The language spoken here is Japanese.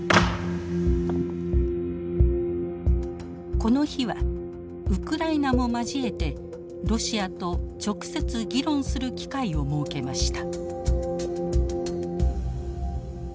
この日はウクライナも交えてロシアと直接議論する機会を設けました。